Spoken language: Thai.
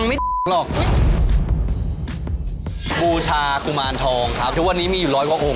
แปลกว่าไม่เคยเห็นที่ไหนมาก่อน